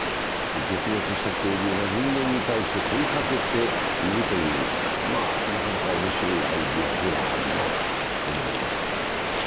絶滅した恐竜が人間に対して問いかけているという、なかなか面白いアイデアではあるなと思います。